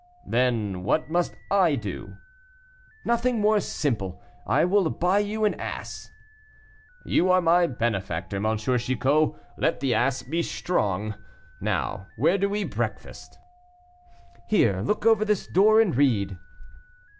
"Then what must I do?" "Nothing more simple; I will buy you an ass." "You are my benefactor, M. Chicot. Let the ass be strong. Now, where do we breakfast?" "Here; look over this door and read."